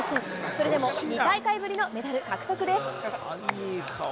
それでも２大会ぶりのメダル獲得です。